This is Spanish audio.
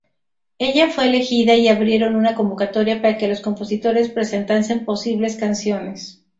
Ella fue elegida, y abrieron una convocatoria para que los compositores presentasen posibles canciones.